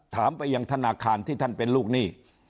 ถามไปยังธนาคารที่ท่านเป็นลูกหนี้